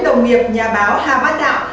đồng nghiệp nhà báo hà bát đạo